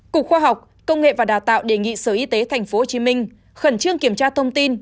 cục khoa học công nghệ và đào tạo đề nghị sở y tế tp hcm khẩn trương kiểm tra thông tin